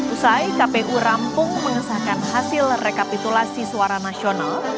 usai kpu rampung mengesahkan hasil rekapitulasi suara nasional